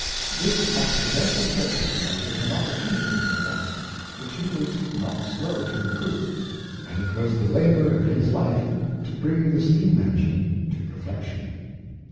This accidental circumstance was an opportunity for Watt, which he was not slow to improve; and it was the labor of his life to bring the steam engine to per fection.